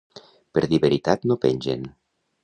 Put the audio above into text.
Per dir veritat no pengen.